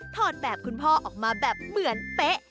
อดแบบคุณพ่อออกมาแบบเหมือนเป๊ะ